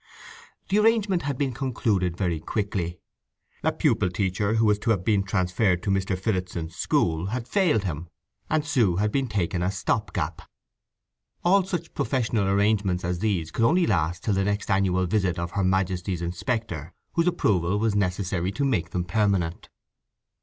The arrangement had been concluded very quickly. A pupil teacher who was to have been transferred to Mr. Phillotson's school had failed him, and Sue had been taken as stop gap. All such provisional arrangements as these could only last till the next annual visit of H.M. Inspector, whose approval was necessary to make them permanent.